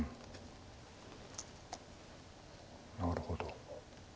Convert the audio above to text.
なるほど。